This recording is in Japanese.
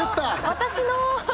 私の！